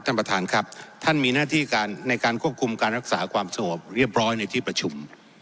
ท่านประธานครับท่านมีหน้าที่การในการควบคุมการรักษาความสงบเรียบร้อยในที่ประชุม